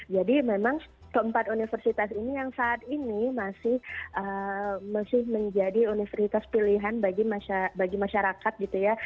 jadi memang empat universitas ini yang saat ini masih menjadi universitas pilihan bagi masyarakat gitu ya